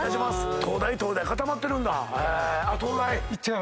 東大東大固まってるんだ。